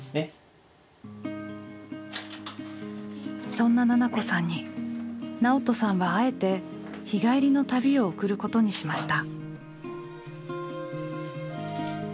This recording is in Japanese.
そんな奈々子さんに直人さんはあえて日帰りの旅を贈ることにしました。